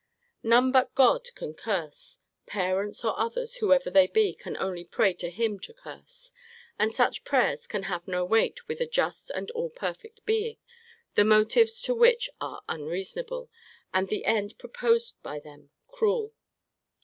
None bug God can curse; parents or others, whoever they be, can only pray to Him to curse: and such prayers can have no weight with a just and all perfect Being, the motives to which are unreasonable, and the end proposed by them cruel.